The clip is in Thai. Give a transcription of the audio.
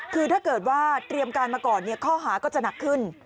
คือถ้าเกิดว่าเตรียมการมาก่อนข้อหาก็จะหนักขึ้น